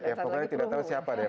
ya pokoknya tidak tahu siapa deh